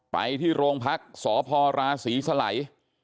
ไปที่โรงพักษ์สพราศรีสลัย